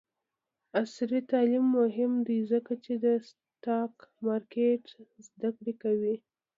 عصري تعلیم مهم دی ځکه چې د سټاک مارکیټ زدکړه کوي.